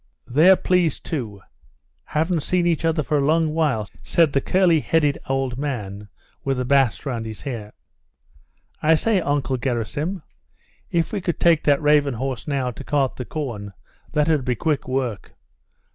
"They're pleased, too; haven't seen each other for a long while," said the curly headed old man with the bast round his hair. "I say, Uncle Gerasim, if we could take that raven horse now, to cart the corn, that 'ud be quick work!"